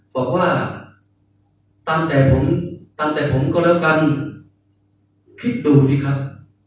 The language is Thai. บอกว่าตั้งแต่ผมก็เลิกกันคิดดูสิครับ